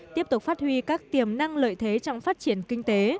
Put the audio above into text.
tiếp tục phát huy các tiềm năng lợi thế trong phát triển kinh tế